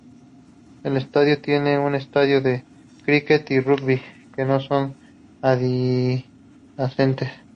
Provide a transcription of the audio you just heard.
El estadio tiene un estadio de cricket y rugby, que no son adyacentes.